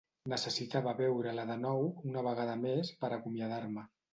Necessitava veure-la de nou una vegada més per acomiadar-me.